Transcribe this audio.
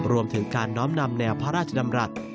รวมถึงการน้อมนำแนวพระราชดำรัฐ